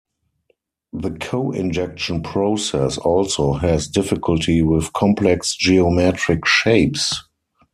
The coinjection process also has difficulty with complex geometric shapes.